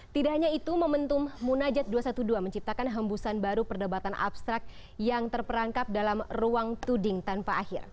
tidak hanya itu momentum munajat dua ratus dua belas menciptakan hembusan baru perdebatan abstrak yang terperangkap dalam ruang tuding tanpa akhir